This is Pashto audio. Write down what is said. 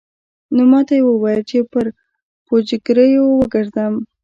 نو ماته يې وويل چې پر پوجيگرو وگرځم.